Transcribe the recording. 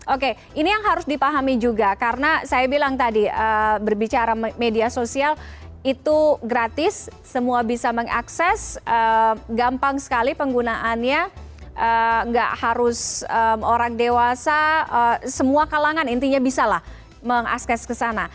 oke ini yang harus dipahami juga karena saya bilang tadi berbicara media sosial itu gratis semua bisa mengakses gampang sekali penggunaannya nggak harus orang dewasa semua kalangan intinya bisa lah mengaskes ke sana